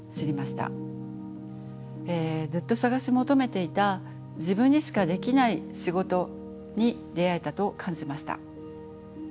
ずっと探し求めていた自分にしかできない仕事に出会えたと感じました。